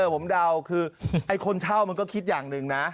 ผมเดาคือไอ้คนเช่ามันก็คิดอย่างหนึ่งนะ